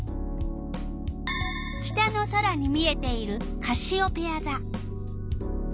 北の空に見えているカシオペヤざ。